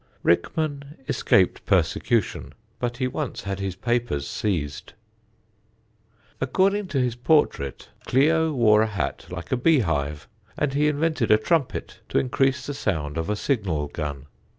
Rickman escaped prosecution, but he once had his papers seized. [Sidenote: TIPPER'S EPITAPH] According to his portrait Clio wore a hat like a beehive, and he invented a trumpet to increase the sound of a signal gun.